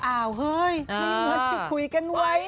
เฮ้ยเหมือนที่คุยกันไว้